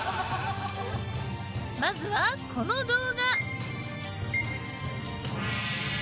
まずはこの動画。